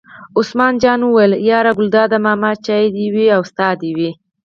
عثمان جان وویل: یار ګلداد ماما چای دې وي او ستا دې وي.